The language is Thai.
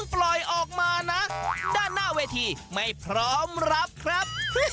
ปล่อยออกมานะด้านหน้าเวทีไม่พร้อมรับครับ